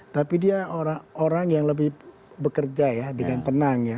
tapi dia orang yang lebih bekerja ya dengan tenang ya